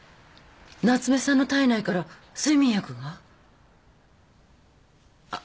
夏目さんの体内から睡眠薬が？あっ。